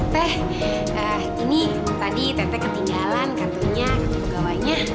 teh ini tadi tete ketinggalan kartunya kandung gawainya